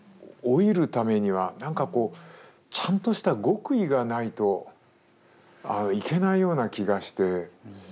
老いるためには何かこうちゃんとした極意がないといけないような気がして。